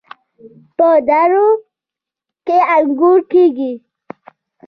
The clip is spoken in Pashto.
په درو کې انګور کیږي.